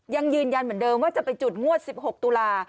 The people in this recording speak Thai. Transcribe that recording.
ยังยืนยันเหมือนเดิมว่าจะไปจุดงวด๑๖ตุลา